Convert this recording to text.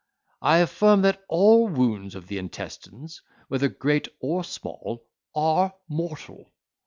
I affirm that all wounds of the intestines, whether great or small, are mortal."